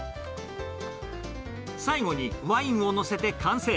最後に、ワインを載せて完成。